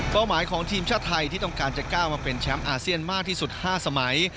หมายของทีมชาติไทยที่ต้องการจะก้าวมาเป็นแชมป์อาเซียนมากที่สุด๕สมัย